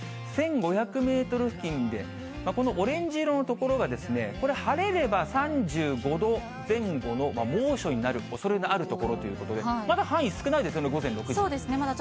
１５００メートル付近でこのオレンジ色の所が、これ、晴れれば３５度前後の猛暑になるおそれのある所ということで、まだ範囲少ないですよね、午前６時。